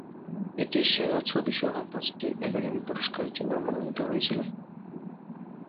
এটি সেরা ছবি সহ পাঁচটি একাডেমি পুরষ্কারের জন্য মনোনীত হয়েছিল।